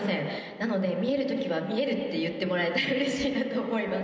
なので、見えるときは見えるって言ってもらえたらうれしいなと思います。